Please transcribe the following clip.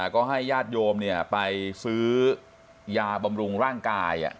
ก็ให้ญาติโยมไปซื้อยาบำรุงร่างกาย